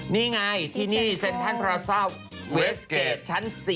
นี่ไงที่นี่เซนทันพระราชาวเวสเกรดชั้น๔